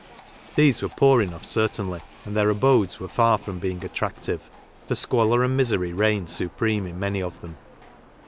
These were poor enough^ certainly, and their abodes were far from being attractive, for squalor and misery reigned supreme in many of them.